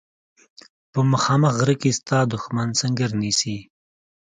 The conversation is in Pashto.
په مخامخ غره کې ستا دښمن سنګر نیسي.